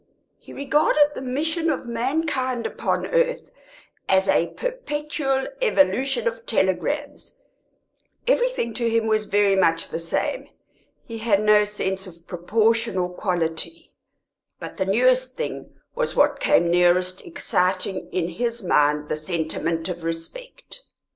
He regarded the mission of mankind upon earth as a perpetual evolution of telegrams; everything to him was very much the same, he had no sense of proportion or quality; but the newest thing was what came nearest exciting in his mind the sentiment of respect.